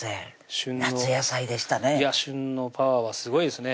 旬のパワーはすごいですね